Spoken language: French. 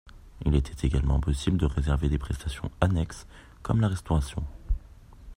Il est également possible de réserver des prestations annexes comme la restauration.